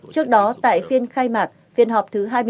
trước đó tại phiên khai mạc phiên họp thứ hai mươi bốn